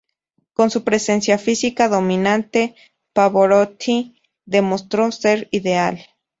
Con su presencia física dominante, Pavarotti demostró ser ideal.